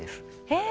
え。